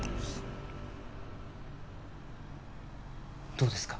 どうですか？